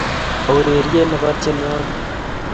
mo urerie ne bo tienwokik